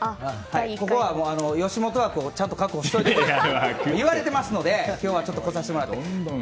ここは吉本枠をちゃんと確保しろと言われていますので今日は来させてもらって。